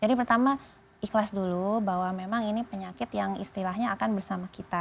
jadi pertama ikhlas dulu bahwa memang ini penyakit yang istilahnya akan bersama kita